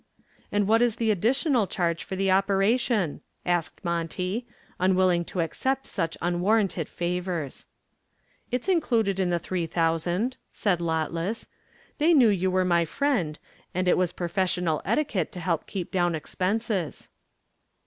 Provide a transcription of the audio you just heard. "And what is the additional charge for the operation?" asked Monty, unwilling to accept such unwarranted favors. "It's included in the three thousand," said Lotless. "They knew you were my friend and it was professional etiquette to help keep down expenses."